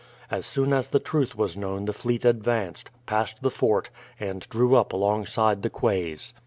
As soon as the truth was known the fleet advanced, passed the fort, and drew up alongside the quays.